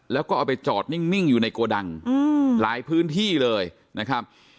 แล้วก็เอาไปจอดนิ่งอยู่ในโกดังหลายพื้นที่เลยนะครับ